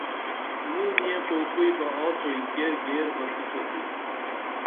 موں نِیہ کوکُئی بہ آڅوئی کیر گیر بہ کُتُھپی